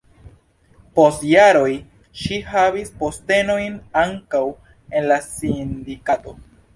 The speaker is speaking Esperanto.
Post jaroj ŝi havis postenojn ankaŭ en la sindikato.